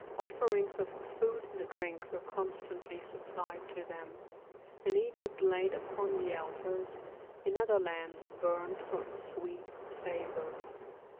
Offerings of food and drink were constantly supplied to them, in Egypt laid upon the altars, in other lands burnt for a sweet savour.